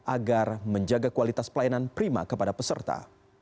agar menjaga kualitas pelayanan prima kepada peserta